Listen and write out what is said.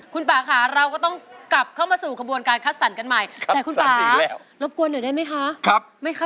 คุณป่าค่ะเราก็ต้องกลับเข้ามาสู่กระบวนการคัดสรรกันใหม่